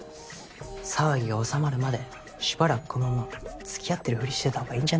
騒ぎが収まるまでしばらくこのまま付き合ってるふりしてた方がいいんじゃね？